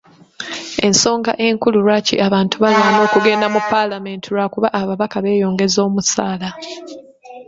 Ensonga enkulu lwaki abantu balwana okugenda mu Paalamenti lwakuba ababaka beeyongeza omusaala.